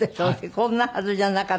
こんなはずじゃなかったって。